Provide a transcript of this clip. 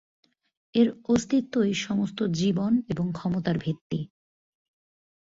এর অস্তিত্বই সমস্ত জীবন এবং ক্ষমতার ভিত্তি।